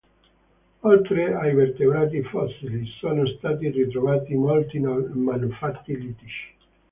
Oltre ai vertebrati fossili, sono stati ritrovati molti manufatti litici.